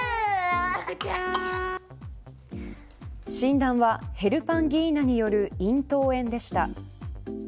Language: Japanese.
診断は、ヘルパンギーナによる咽頭炎でした。